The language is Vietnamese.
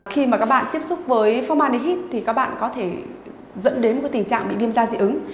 khi các bạn tiếp xúc với formandehyde các bạn có thể dẫn đến tình trạng bị viêm da dị ứng